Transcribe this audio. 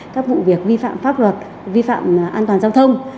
các vụ việc vi phạm pháp luật vi phạm an toàn giao thông